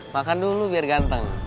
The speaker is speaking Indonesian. makan dulu biar ganteng